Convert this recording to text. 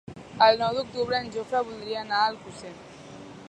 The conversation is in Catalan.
El nou d'octubre en Jofre voldria anar a Alcosser.